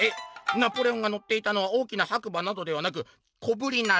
ナポレオンがのっていたのは大きな白馬などではなく小ぶりなラバ。